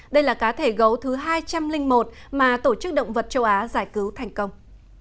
đây là cá thể gấu thứ hai trăm linh một mà tổ chức động vật châu á giải cứu thành công